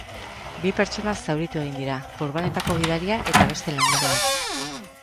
Bi pertsona zauritu egin dira, furgonetako gidaria eta beste langile bat.